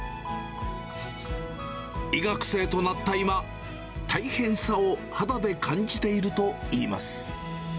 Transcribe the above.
医学生となった今、大変さを肌で感じているといいます。